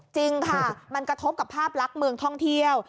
จริงค่ะมันกระทบกับภาพลักษณ์เมืองท่องเที่ยว